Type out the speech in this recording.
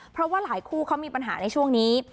เพราะว่าหลายคู่เขามีปัญหาในช่วงนี้